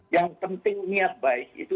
yang penting niat baik itu